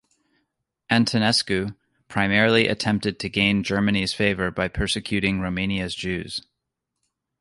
Antonescu primarily attempted to gain Germany's favor by persecuting Romania's Jews.